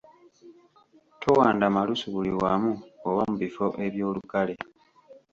Towanda malusu buli wamu oba mu bifo eby’olukale.